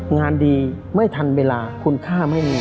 งานดีไม่ทันเวลาคุณค่าไม่มี